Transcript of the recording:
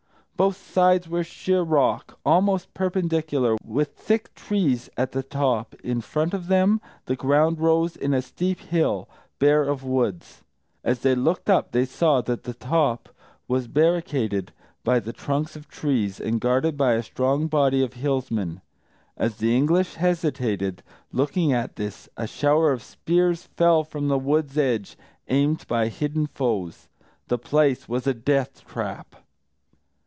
Both sides were sheer rock, almost perpendicular, with thick trees at the top; in front of them the ground rose in a steep hill, bare of woods. As they looked up, they saw that the top was barricaded by the trunks of trees, and guarded by a strong body of Hillsmen. As the English hesitated, looking at this, a shower of spears fell from the wood's edge, aimed by hidden foes. The place was a death trap.